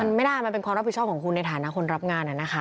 มันไม่ได้มันเป็นความรับผิดชอบของคุณในฐานะคนรับงานนะคะ